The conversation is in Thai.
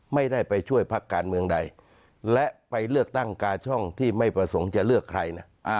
ไม่ได้ไปช่วยพักการเมืองใดและไปเลือกตั้งกาช่องที่ไม่ประสงค์จะเลือกใครนะ